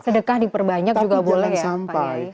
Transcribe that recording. sedekah diperbanyak juga boleh ya pak yai